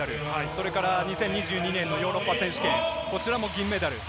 それから２０２２年のヨーロッパ選手権、こちらも銀メダル。